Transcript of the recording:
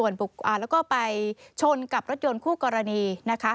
แล้วก็ไปชนกับรถยนต์คู่กรณีนะคะ